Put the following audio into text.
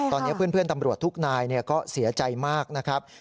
ตอนนี้เพื่อนตำรวจทุกนายก็เสียใจมากนะครับ